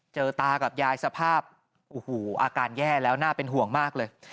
เจอตาร์กับยายสภาพอาการแย่แล้วหน้าเป็นห่วงมากเลย